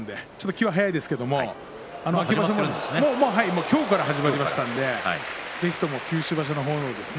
気が早いですけれどね今日から始まりましたんでぜひとも九州場所の方も。